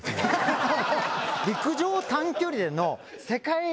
陸上短距離での。